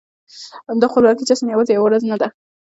د خپلواکۍ جشن يوازې يوه ورځ نه ده.